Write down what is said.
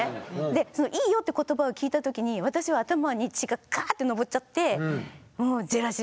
でその「いいよ」って言葉を聞いた時に私は頭に血がカーッと上っちゃってもうジェラシーですよね。